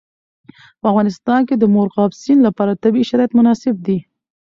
په افغانستان کې د مورغاب سیند لپاره طبیعي شرایط مناسب دي.